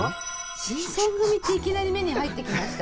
「新選組」っていきなり目に入ってきましたよ。